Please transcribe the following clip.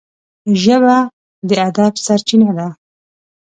ژبه د ادب سرچینه ده